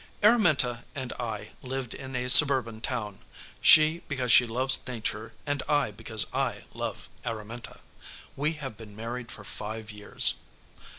Araminta and I lived in a suburban town; she because she loves Nature and I because I love Araminta. We have been married for five years.